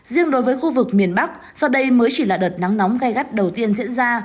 riêng đối với khu vực miền bắc do đây mới chỉ là đợt nắng nóng gai gắt đầu tiên diễn ra